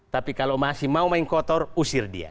tapi kalau masih mau main kotor usir dia